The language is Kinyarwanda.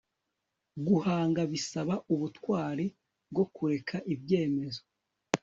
guhanga bisaba ubutwari bwo kureka ibyemezo